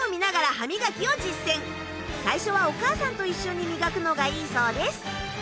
最初はお母さんと一緒に磨くのがいいそうです。